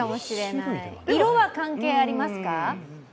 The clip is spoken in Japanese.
色は関係ありますか？